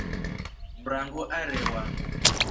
Mrango arewa.